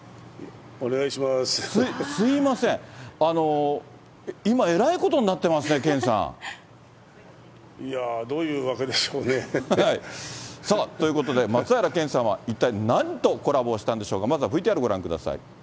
すみません、今、えらいことになってますね、いやー、どういうわけでしょさあ、ということで、松平健さんは一体何とコラボしたんでしょうか。